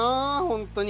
本当に。